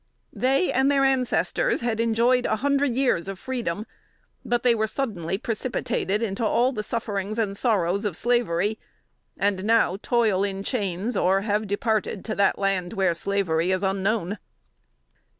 They, and their ancestors, had enjoyed a hundred years of freedom; but they were suddenly precipitated into all the sufferings and sorrows of slavery, and now toil in chains, or have departed to that land where slavery is unknown.